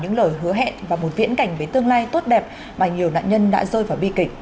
những lời hứa hẹn và một viễn cảnh về tương lai tốt đẹp mà nhiều nạn nhân đã rơi vào bi kịch